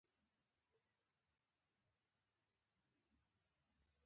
د سټیونز افراطي تګلارې فعاله اقتصادي برخه ته کلکه ضربه ورکړه.